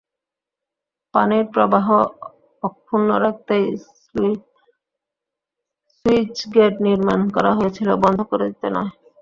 পানির প্রবাহ অক্ষুণ্ন রাখতেই স্লুইসগেট নির্মণ করা হয়েছিল, বন্ধ করে দিতে নয়।